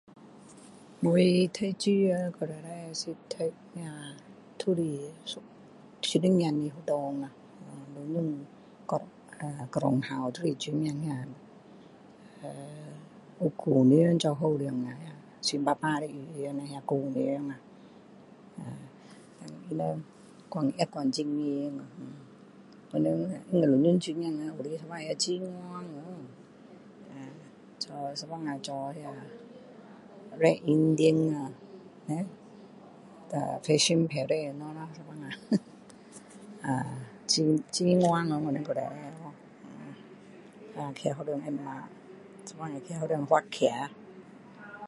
我读书以前读书的时候读呀一半也是在女孩子的学校呀整个学校都是女孩子姑娘做校长穿白白的衣服姑娘但他们管也管很严我们全部那个女孩有时候也顽皮做那个做有时候那个red Indian 呀很顽皮呀我们以前会被校长骂被校长骂